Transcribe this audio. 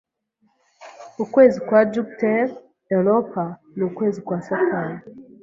Ukwezi kwa Jupiteri Europa n'ukwezi kwa Satani